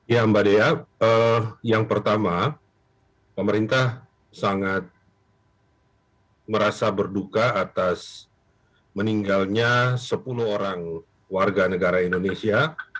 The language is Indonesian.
ya mbak dea yang pertama pemerintah sangat merasa berduka atas meninggalnya sepuluh orang warga negara indonesia